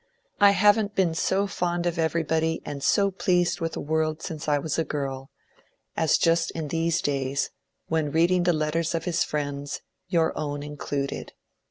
I have n't been so fond of everybody, and so pleased with the world, since I was a girl, as just in these days when reading the let 108 MONCURE DANIEL CX)NWAY ters of his friends, your own included.